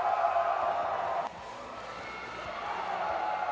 สวัสดีครับทุกคน